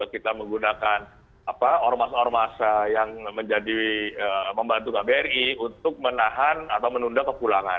kita menggunakan ormas ormasa yang menjadi membantu maberi untuk menahan atau menunda ke pulangan